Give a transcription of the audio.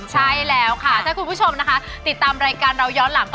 ใช่แล้วค่ะถ้าคุณผู้ชมนะคะติดตามรายการเราย้อนหลัง